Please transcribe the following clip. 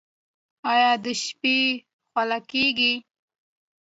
ایا د شپې خوله کیږئ؟